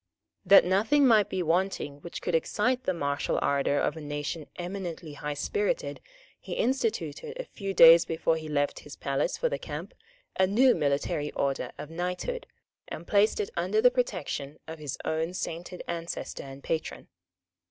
That nothing might be wanting which could excite the martial ardour of a nation eminently highspirited, he instituted, a few days before he left his palace for the camp, a new military order of knighthood, and placed it under the protection of his own sainted ancestor and patron.